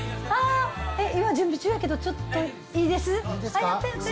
今、準備中やけど、ちょっといいです？